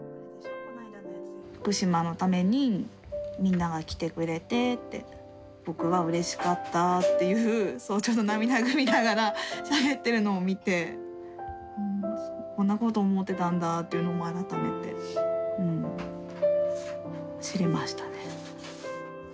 福島のためにみんなが来てくれてって僕はうれしかったっていうそうちょっと涙ぐみながらしゃべってるのを見てこんなことを思ってたんだというのも改めてうん知りましたね。